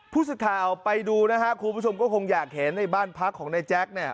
ผู้สื่อข่าวไปดูนะฮะคุณผู้ชมก็คงอยากเห็นในบ้านพักของนายแจ๊คเนี่ย